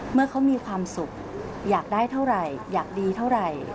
เมื่อเขามีความสุขอยากได้เท่าไหร่อยากดีเท่าไหร่